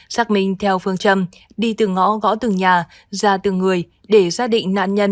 xác minh theo phương châm đi từng ngõ gõ từng nhà ra từng người để xác định nạn nhân